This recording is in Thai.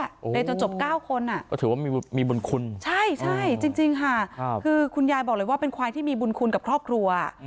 เรียนจนจบเก้าคนอ่ะใช่ใช่จริงค่ะคือคุณยายบอกเลยว่าเป็นควายที่มีบุญคุณกับครอบครัว